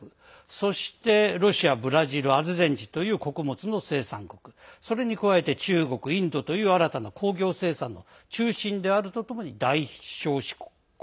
そして、ロシア、ブラジルアルゼンチンという穀物の生産国、それに加えて中国、インドという新たな工業生産の中心とともに大消費国